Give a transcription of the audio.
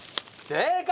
正解！